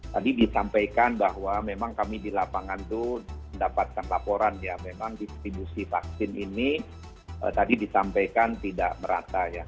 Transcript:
tadi disampaikan bahwa memang kami di lapangan itu mendapatkan laporan ya memang distribusi vaksin ini tadi disampaikan tidak merata ya